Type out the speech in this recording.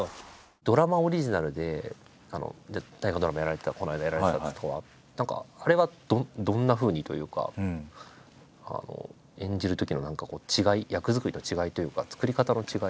ドラマオリジナルで大河ドラマやられてたこの間やられてたときとかは何かあれはどんなふうにというか演じるときの何かこう違い役作りの違いというか作り方の違い。